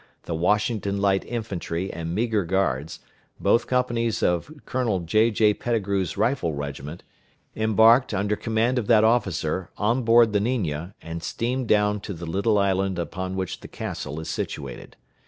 the Washington Light Infantry and Meagher Guards, both companies of Colonel J.J. Petigru's rifle regiment, embarked, under command of that officer, on board the Niña, and steamed down to the little island upon which the Castle is situated.